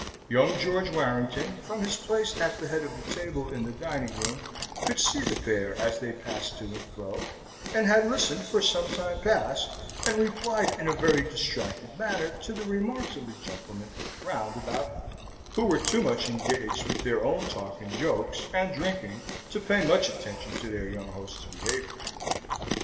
Young George Warrington, from his place at the head of the table in the dining room, could see the pair as they passed to and fro, and had listened for some time past, and replied in a very distracted manner to the remarks of the gentlemen round about him, who were too much engaged with their own talk and jokes, and drinking, to pay much attention to their young host's behaviour.